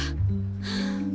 はあ。